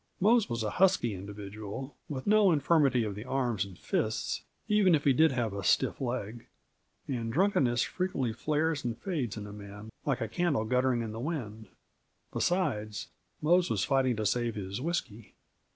Mose was a husky individual, with no infirmity of the arms and fists, even if he did have a stiff leg, and drunkenness frequently flares and fades in a man like a candle guttering in the wind. Besides, Mose was fighting to save his whisky.